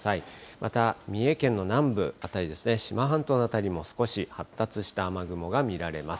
また三重県の南部辺りですね、志摩半島の辺りも少し発達した雨雲が見られます。